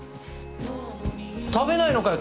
食べないのかよ？